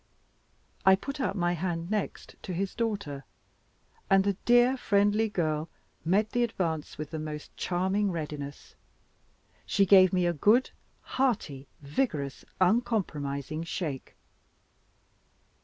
I put out my hand next to his daughter, and the dear friendly girl met the advance with the most charming readiness. She gave me a good, hearty, vigorous, uncompromising shake.